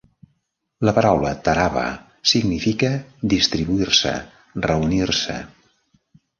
La paraula "tarava" significa "distribuir-se, reunir-se".